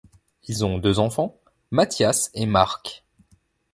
Ils ont deux enfants, Matyas et Marc.